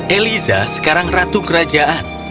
eliza sekarang ratu kerajaan